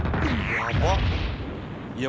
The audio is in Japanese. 「やばっ！」